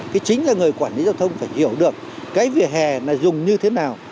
thì chính là người quản lý giao thông phải hiểu được cái vỉa hè là dùng như thế nào